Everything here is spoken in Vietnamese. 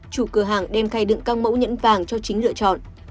chủ cửa hàng đem khai đựng các mẫu nhẫn vàng cho chính lựa chọn